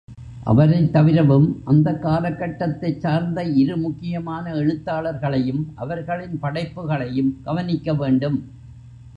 அவரைத் தவிரவும் அந்தக் காலக்கட்டத்தைச் சார்ந்த இரு முக்கியமான எழுத்தாளர்களையும் அவர்களின் படைப்புகளையும் கவனிக்கவேண்டும்.